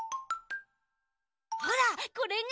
ほらこれが。